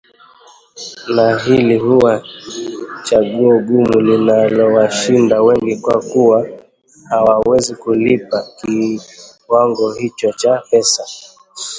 Na hili huwa chaguo gumu linalowashinda wengi kwa kuwa hawawezi kulipa kiwango hicho cha pesa